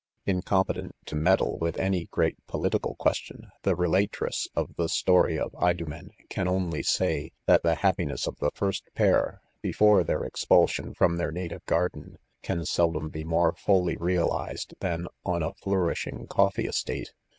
Incompetent to meddle with any great political question, the relatress of the story of Ido mea can only say, that the happiness of the first pair, "be fore their expulsion from their native garden, can seldom fee more fully realised than on a flourishing coffee estate.